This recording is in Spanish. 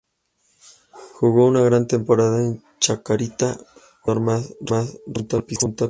Jugo una gran temporada en Chacarita, fue el jugador mas regular junto a Pisano.